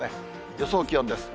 予想気温です。